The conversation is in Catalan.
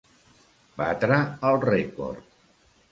Batre el rècord.